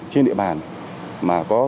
trên địa bàn mà có